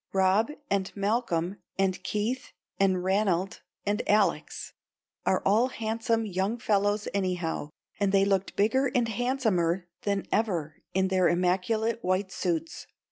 Rob and Malcolm and Keith and Ranald and Alex are all handsome young fellows anyhow, and they looked bigger and handsomer than ever in their immaculate white suits.